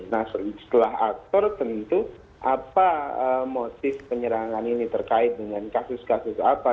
nah setelah aktor tentu apa motif penyerangan ini terkait dengan kasus kasus apa